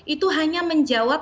itu hanya menjawab